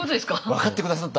分かって下さった！